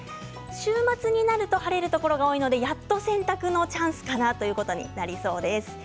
週末になると晴れるところが多いのでやっと洗濯のチャンスかなということになりそうです。